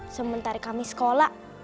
sementara kami sekolah